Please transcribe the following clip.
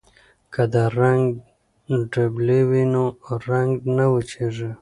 که د رنګ ډبلي وي نو رنګ نه وچیږي.